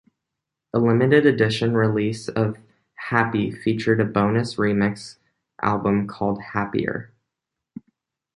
A limited edition release of "Happy" featured a bonus remix album called "Happier".